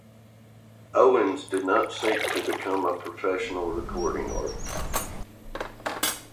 Owens did not seek to become a professional recording artist.